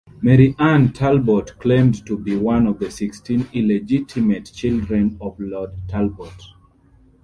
Mary Anne Talbot claimed to be one of sixteen illegitimate children of Lord Talbot.